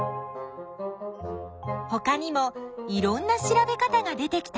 ほかにもいろんな調べ方が出てきたよ！